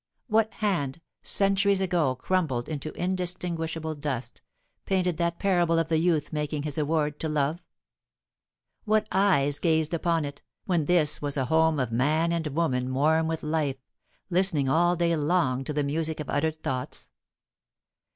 What hand, centuries ago crumbled into indistinguishable dust, painted that parable of the youth making his award to Love? What eyes gazed upon it, when this was a home of man and woman warm with life, listening all day long to the music of uttered thoughts?